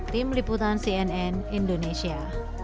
tim liputan cnn indonesia